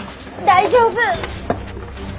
大丈夫。